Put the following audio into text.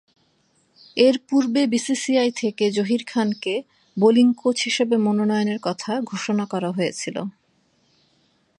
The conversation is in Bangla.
এরপূর্বে বিসিসিআই থেকে জহির খানকে বোলিং কোচ হিসেবে মনোনয়নের কথা ঘোষণা করা হয়েছিল।